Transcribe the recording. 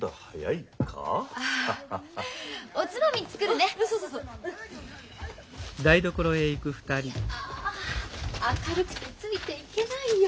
いや明るくてついていけないよ。